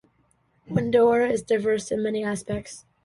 Windorah is diverse in many aspects.